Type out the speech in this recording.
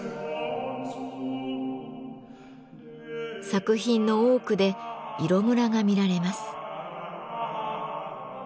作品の多くで色むらが見られます。